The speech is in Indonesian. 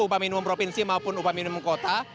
upah minimum provinsi maupun upah minimum kota